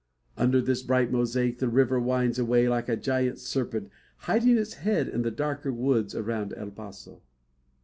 Under this bright mosaic the river winds away like a giant serpent, hiding its head in the darker woods around El Paso.